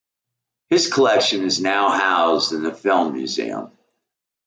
His collection is now housed in the Filmmuseum.